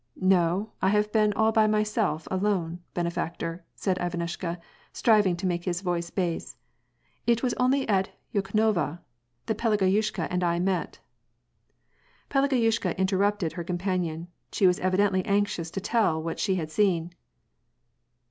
"Xo, I have been all by myself alone, benefactor," said Ivanushka, striving to make his voice bass. " It was only at Yukhnovo that Pelageyushka and I met." Pelageyushka interrupted her companion ; she was evidently anxious to tell what she had seen.